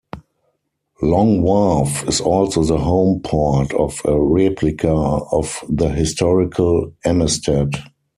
Long Wharf is also the home port of a replica of the historical Amistad.